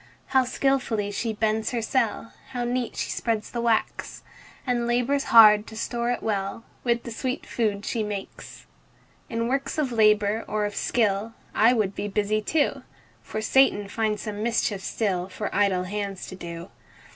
How skilfully she builds her cell! How neat she spreads the wax! And labors hard to store it well With the sweet food she makes. In works of labor or of skill, I would be busy too; For Satan finds some mischief still For idle hands to do.